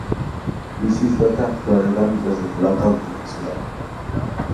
ისიც დათანხმდა და დედამიწაზე კვლავ დაბრუნდა სინათლე.